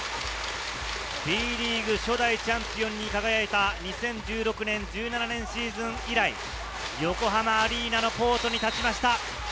Ｂリーグ初代チャンピオンに輝いた２０１６年−１７年シーズン以来、横浜アリーナのコートに立ちました。